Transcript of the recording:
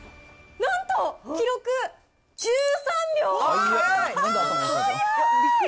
なんと、記録１３秒。